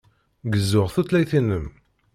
Gezzuɣ tutlayt-inem.